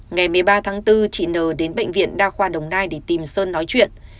ngày một mươi ba tháng bốn chị n đến bệnh viện đa khoa đồng nai để tìm sơn nói chuyện